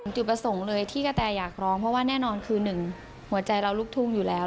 จุดประสงค์เลยที่กะแตอยากร้องเพราะว่าแน่นอนคือหนึ่งหัวใจเราลูกทุ่งอยู่แล้ว